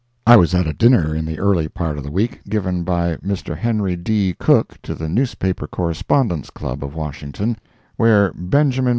I was at a dinner in the early part of the week, given by Mr. Henry D. Cook, to the Newspaper Correspondents' Club, of Washington, where Ben.